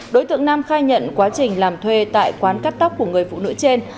đối tượng nam khai nhận quá trình làm thuê tại quán cắt tóc của người phụ nữ trên